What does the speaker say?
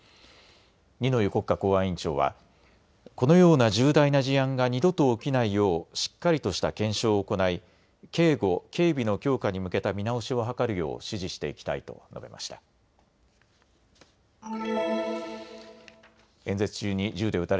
二之湯国家公安委員長は、このような重大な事案が二度と起きないよう、しっかりとした検証を行い警護・警備の強化に向けた見直しを図るよう指示していきたいと述べました。